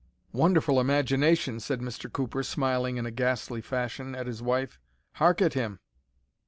"Wonderful imagination," said Mr. Cooper, smiling in a ghastly fashion at his wife. "Hark at him!"